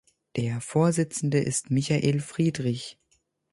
Der Vorsitzende ist Michael Friedrich.